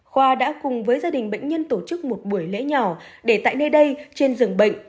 khoa đã cùng với gia đình bệnh nhân tổ chức một buổi lễ nhỏ để tại nơi đây trên rừng bệnh